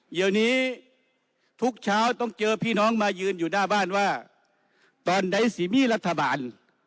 เดี๋ยวนี้ทุกเช้าต้องเจอพี่น้องมายืนอยู่หน้าบ้านว่าตอนใดสิมีรัฐบาล